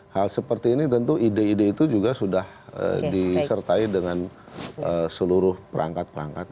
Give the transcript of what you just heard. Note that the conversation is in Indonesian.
hal seperti ini tentu ide ide itu juga sudah disertai dengan seluruh perangkat perangkat